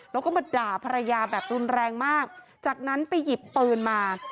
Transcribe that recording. แล้วก็มาด่าภรรยาแบบรุนแรงมากจากนั้นไปหยิบปืนมา